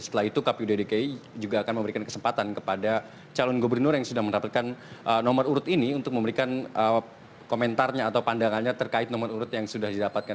setelah itu kpud dki juga akan memberikan kesempatan kepada calon gubernur yang sudah mendapatkan nomor urut ini untuk memberikan komentarnya atau pandangannya terkait nomor urut yang sudah didapatkan